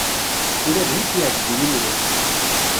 Ula d nekk yeɛjeb-iyi mliḥ.